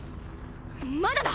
まだだ！